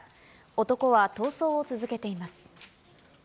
男は逃走を続けています。